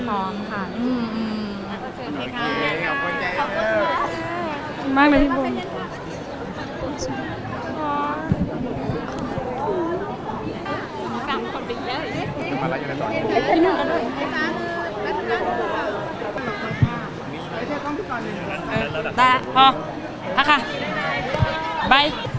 สวัสดีครับ